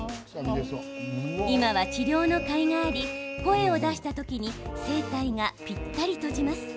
今は治療のかいがあり声を出した時に声帯がぴったり閉じます。